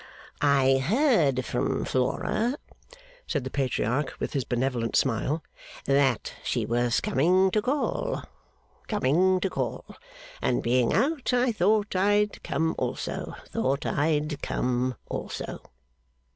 'I heard from Flora,' said the Patriarch with his benevolent smile, 'that she was coming to call, coming to call. And being out, I thought I'd come also, thought I'd come also.